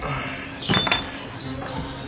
マジっすか。